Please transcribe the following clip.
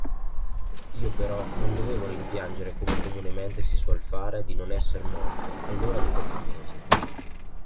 Io però non dovevo rimpiangere come comunemente si suol fare, di non esser morto, allora di pochi mesi.